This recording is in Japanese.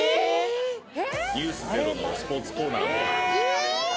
『ｎｅｗｓｚｅｒｏ』のスポーツコーナーを。